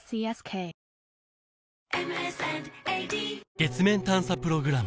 月面探査プログラム